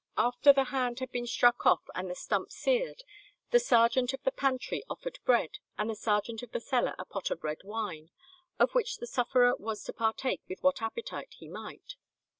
"After the hand had been struck off and the stump seared, the sergeant of the pantry offered bread, and the sergeant of the cellar a pot of red wine, of which the sufferer was to partake with what appetite he might."